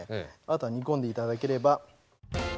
あとは煮込んで頂ければ。